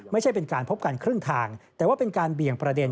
ไม่ใช่เป็นการพบกันครึ่งทางแต่ว่าเป็นการเบี่ยงประเด็น